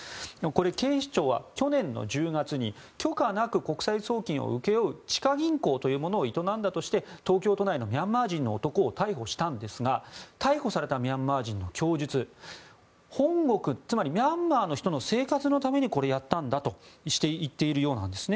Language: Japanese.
警視庁は去年の１０月に許可なく国際送金を請け負う地下銀行というものを営んだとして、東京都内のミャンマー人の男を逮捕したんですが逮捕されたミャンマー人の供述本国、つまりミャンマーの人の生活のためにやったんだと言っているようなんですね。